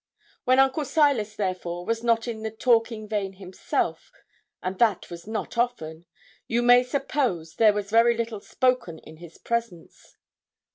When Uncle Silas, therefore, was not in the talking vein himself and that was not often you may suppose there was very little spoken in his presence.